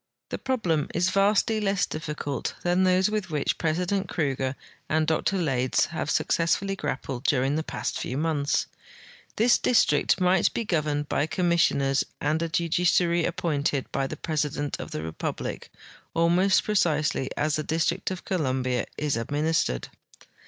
The problem is THE REVOLT OF THE UITLANDERS 363 vastly less difficult than those with which President Kruger and Dr Leyds have successful!}" grappled during the past few months. This district might be governed by commissioners and a judiciary appointed by the president of the republic, almost precisely as the District of Columbia is administered.